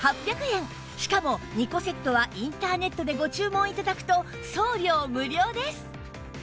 しかも２個セットはインターネットでご注文頂くと送料無料です